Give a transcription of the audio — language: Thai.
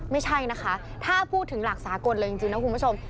ไม่ใช่นะคะถ้าพูดถึงหลักสากลเลยจริงนะคุณผู้ชม